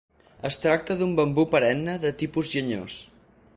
Es tracta d'un bambú perenne de tipus llenyós.